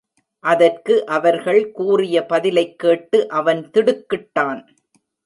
அதற்கு அவர்கள் கூறிய பதிலைக் கேட்டு அவன் திடுக்கிட்டான்.